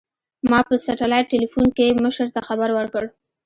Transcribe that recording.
ما په سټلايټ ټېلفون کښې مشر ته خبر وركړ.